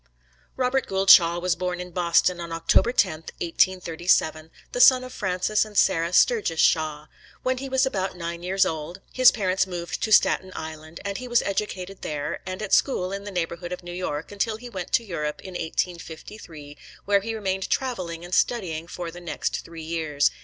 Robert Gould Shaw was born in Boston on October 10, 1837, the son of Francis and Sarah Sturgis Shaw. When he was about nine years old, his parents moved to Staten Island, and he was educated there, and at school in the neighborhood of New York, until he went to Europe in 1853, where he remained traveling and studying for the next three years.